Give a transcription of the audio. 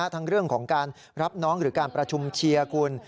ทั้งเรื่องของการรับน้องหรือการประชุมเชียร์คุณ